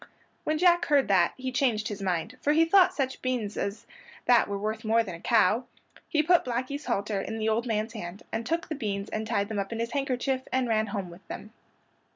When Jack heard that he changed his mind, for he thought such beans as that were worth more than a cow. He put Blackey's halter in the old man's hand, and took the beans and tied them up in his handkerchief and ran home with them.